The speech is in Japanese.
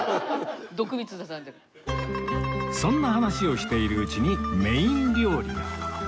そんな話をしているうちにメイン料理が